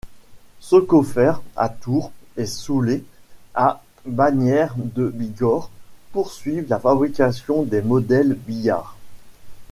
Socofer à Tours et Soulé à Bagnères-de-Bigorre poursuivent la fabrication des modèles Billard.